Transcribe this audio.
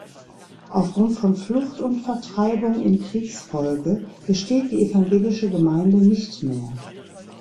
Aufgrund von Flucht und Vertreibung in Kriegsfolge besteht die evangelische Gemeinde nicht mehr.